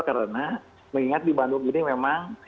karena mengingat di bandung ini memang